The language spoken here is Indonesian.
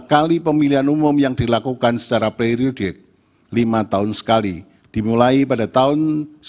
kali pemilihan umum yang dilakukan secara periode lima tahun sekali dimulai pada tahun